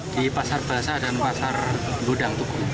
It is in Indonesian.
di pasar basah dan pasar gondang tuku